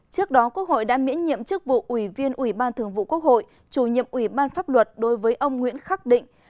trước đó quốc hội đã miễn nhiệm chức vụ ủy viên ủy ban thường vụ quốc hội chủ nhiệm ủy ban pháp luật đối với ông nguyễn khắc định